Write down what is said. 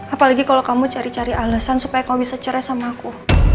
apalagi kalau kamu cari cari alasan supaya kamu bisa cerai sama aku